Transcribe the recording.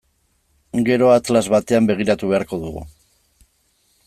Gero atlas batean begiratu beharko dugu.